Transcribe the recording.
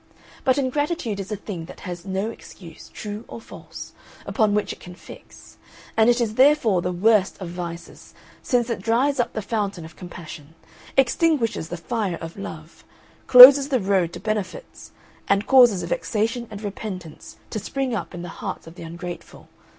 But ingratitude is a thing that has no excuse, true or false, upon which it can fix; and it is therefore the worst of vices, since it dries up the fountain of compassion, extinguishes the fire of love, closes the road to benefits, and causes vexation and repentance to spring up in the hearts of the ungrateful.